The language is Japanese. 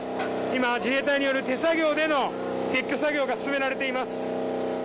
今、自衛隊による手作業での撤去作業が進められています。